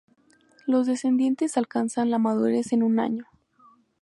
Los descendientes alcanzan la madurez en un año.